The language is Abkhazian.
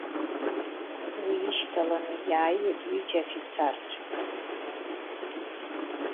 Уи ишьҭаланы иааиуеит ҩыџьа афицарцәа.